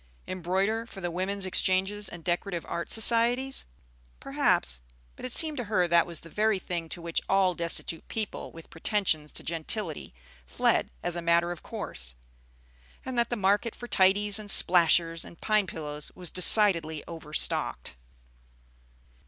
Embroider for the Women's Exchanges and Decorative Art Societies? Perhaps; but it seemed to her that was the very thing to which all destitute people with pretensions to gentility fled as a matter of course, and that the market for tidies and "splashers" and pine pillows was decidedly overstocked.